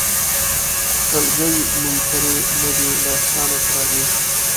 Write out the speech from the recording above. سلګۍ منکري نه دي له احسانه که راځې